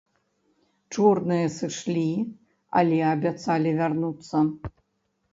Чорныя сышлі, але абяцалі вярнуцца.